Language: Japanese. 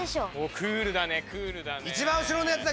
クールだねクールだね。